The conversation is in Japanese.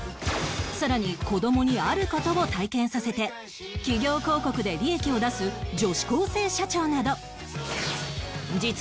さらに子どもにある事を体験させて企業広告で利益を出す女子高生社長など